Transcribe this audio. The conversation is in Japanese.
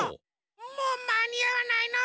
もうまにあわないの？